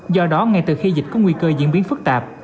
do đó ngay từ khi dịch có nguy cơ diễn biến phức tạp